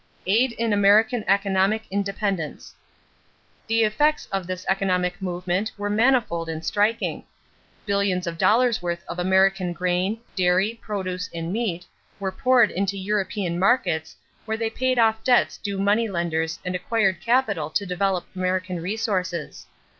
=Aid in American Economic Independence.= The effects of this economic movement were manifold and striking. Billions of dollars' worth of American grain, dairy produce, and meat were poured into European markets where they paid off debts due money lenders and acquired capital to develop American resources.